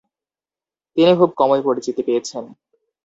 তিনি খুব কমই পরিচিতি পেয়েছেন।